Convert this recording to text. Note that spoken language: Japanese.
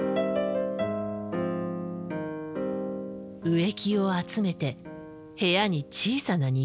植木を集めて部屋に小さな庭をつくる。